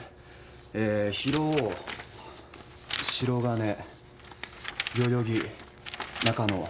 えー広尾白金代々木中野。